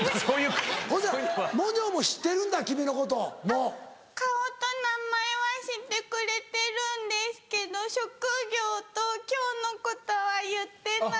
顔と名前は知ってくれてるんですけど職業と今日のことは言ってない。